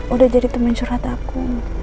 udah jadi temen surat aku